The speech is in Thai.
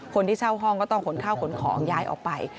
คนที่เช่าห้องก็ต้องขนข้าวขนของย้ายออกไป